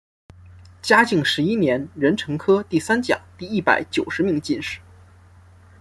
嘉靖十一年壬辰科第三甲第一百九十名进士。